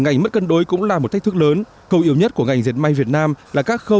ngành mất cân đối cũng là một thách thức lớn câu yếu nhất của ngành diệt may việt nam là các khâu